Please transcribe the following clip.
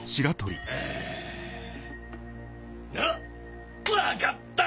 うん。あっ分かった！